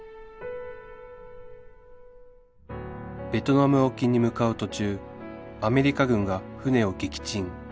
ベトナム沖に向かう途中アメリカ軍が船を撃沈